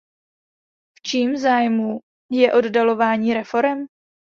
V čím zájmu je oddalování reforem?